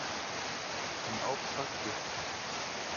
Im Auftrag gez.